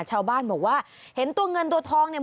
ชาวบ้านบอกว่าเห็นตัวเงินตัวทองเนี่ย